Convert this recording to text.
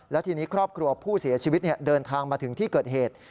และทีนี้ครอบครัวผู้เสียชีวิตเดินทางมาถึงที่เกิดเหตุ